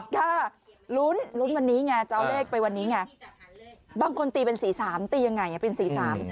ถ้าลุ้นลุ้นวันนี้ไงจะเอาเลขไปวันนี้ไงบางคนตีเป็น๔๓ตียังไงเป็น๔๓